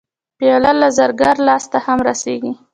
پیاله د زرګر لاس ته هم رسېږي.